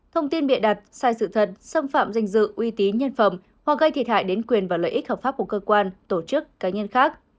thông tin bịa đặt sai sự thật xâm phạm danh dự uy tín nhân phẩm hoặc gây thiệt hại đến quyền và lợi ích hợp pháp của cơ quan tổ chức cá nhân khác